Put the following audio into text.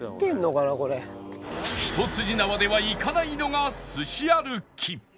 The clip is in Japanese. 一筋縄ではいかないのがすし歩き